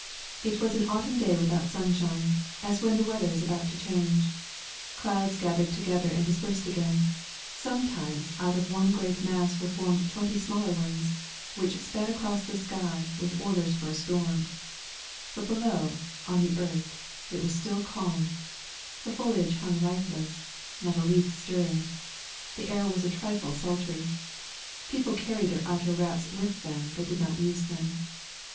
"] It was an autumn day without sunshine, as when the weather is about to change. Clouds gathered together and dispersed again; sometimes out of one great mass were formed twenty smaller ones, which sped across the sky with orders for a storm; but below, on the earth, it was still calm, the foliage hung lifeless, not a leaf stirring; the air was a trifle sultry; people carried their outer wraps with them but did not use them.